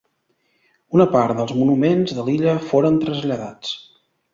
Una part dels monuments de l'illa foren traslladats.